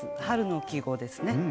春の季語ですね。